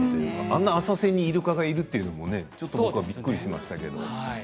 あんな浅瀬にイルカがいるのもびっくりしました。